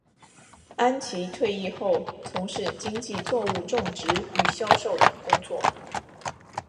安琦退役后从事经济作物种植与销售等工作。